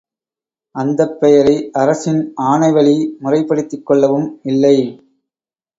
அந்தப் பெயரை அரசின் ஆணைவழி முறைப்படுத்திக் கொள்ளவும் இல்லை.